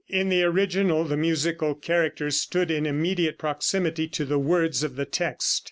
In the original the musical characters stood in immediate proximity to the words of the text.